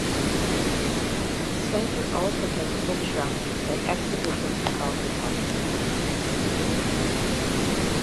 The center also has a bookshop and exhibitions about the park.